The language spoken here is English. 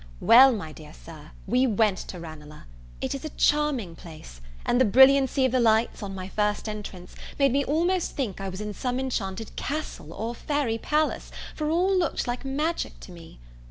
Well, my dear Sir, we went to Ranelagh. It is a charming place; and the brilliancy of the lights, on my first entrance, made me almost think I was in some enchanted castle or fairy palace, for all looked like magic to me.